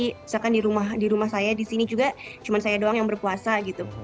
misalkan di rumah saya di sini juga cuma saya doang yang berpuasa gitu